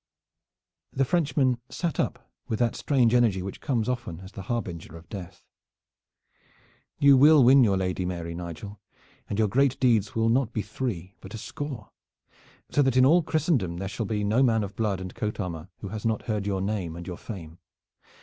The Frenchman sat up with that strange energy which comes often as the harbinger of death. "You will win your Lady Mary, Nigel, and your great deeds will be not three but a score, so that in all Christendom there shall be no man of blood and coat armor who has not heard your name and your fame.